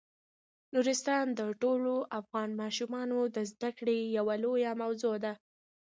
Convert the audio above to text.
نورستان د ټولو افغان ماشومانو د زده کړې یوه لویه موضوع ده.